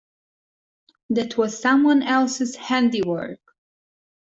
That was someone else's handy work.